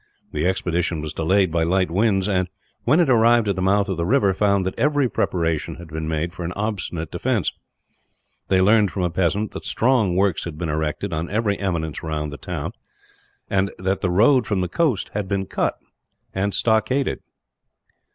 The expedition was delayed by light winds and, when it arrived at the mouth of the river, found that every preparation had been made for an obstinate defence. They learned, from a peasant, that strong works had been erected on every eminence round the town; and that the road from the coast had been cut, and stockaded.